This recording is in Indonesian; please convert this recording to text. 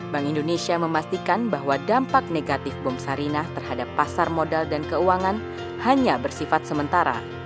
bank indonesia memastikan bahwa dampak negatif bom sarinah terhadap pasar modal dan keuangan hanya bersifat sementara